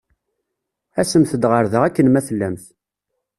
Asemt-d ɣer da akken ma tellamt.